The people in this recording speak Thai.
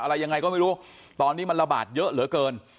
อะไรยังไงก็ไม่รู้ตอนนี้มันระบาดเยอะเหลือเกิน